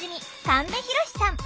神戸浩さん。